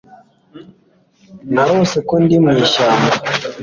Narose ko ndi mwishyamba